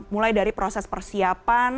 mulai dari proses persiapan